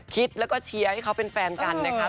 คิดแล้วก็เชียร์ให้เขาเป็นแฟนกันนะคะ